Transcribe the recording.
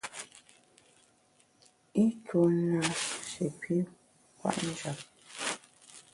I tuo na shi pi kwet njap.